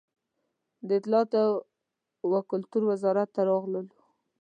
د اطلاعات و کلتور وزارت ته راغلو.